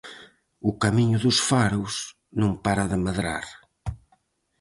O Camiño dos Faros non para de medrar.